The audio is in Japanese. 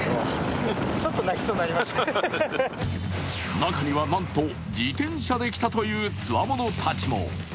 中にはなんと自転車で来たというつわものたちも。